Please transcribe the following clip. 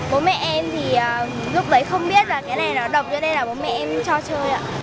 bố mẹ em thì lúc đấy không biết là cái này nó đập ra đây là bố mẹ em cho chơi ạ